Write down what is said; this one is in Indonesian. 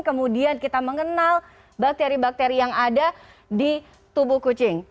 kemudian kita mengenal bakteri bakteri yang ada di tubuh kucing